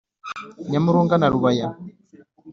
nyamurunga na rubaya.